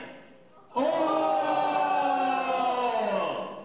お！